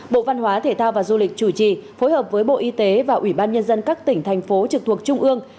bộ văn hóa thể thao và du lịch chủ trì phối hợp với bộ y tế và ủy ban nhân dân các tỉnh thành phố trực thuộc trung ương